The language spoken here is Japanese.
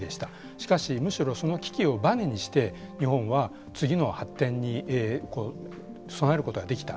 しかし、むしろその危機をばねにして日本は次の発展に備えることができた。